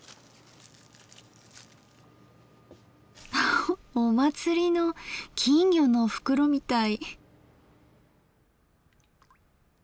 ハハお祭りの金魚の袋みたい。